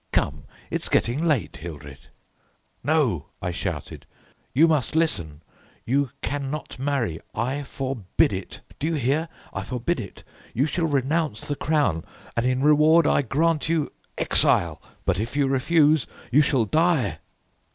"Come, it's getting late, Hildred." "No," I shouted, "you must listen. You cannot marry, I forbid it. Do you hear? I forbid it. You shall renounce the crown, and in reward I grant you exile, but if you refuse you shall die."